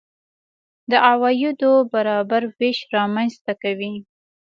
د عوایدو برابر وېش رامنځته کوي.